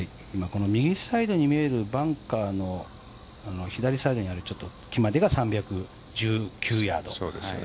右サイドに見えるバンカーの左サイドにある木までが３１９ヤード。